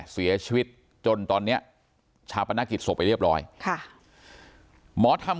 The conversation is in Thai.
เสียชีวิตจนตอนนี้ชาปนกิจศพไปเรียบร้อยค่ะหมอทำ